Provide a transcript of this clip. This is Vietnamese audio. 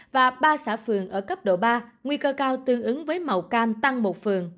và ba xã phường ở cấp độ ba nguy cơ cao tương ứng với màu cam tăng một phường